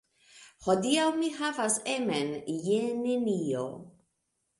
Hodiaŭ mi havas emen je nenio.